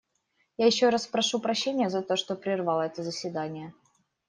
Я еще раз прошу прощения за то, что прервал это заседание.